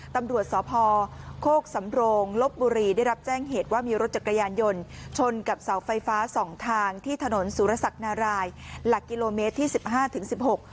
ตำรวจสพโคกสำโรงลบบุรีได้รับแจ้งเหตุว่ามีรถจักรยานยนต์ชนกับเสาไฟฟ้าสองทางที่ถนนสุรสักนารายหลักกิโลเมตรที่สิบห้าถึงสิบหก